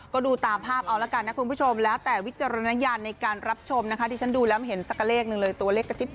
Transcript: ก็ดูตามภาพเอาละกันนะคุณผู้ชมแล้วแต่วิจารณญาณในการรับชมนะคะ